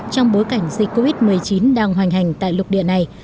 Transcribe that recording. trong bối cảnh dịch covid một mươi chín đang hoành hành tại lục địa này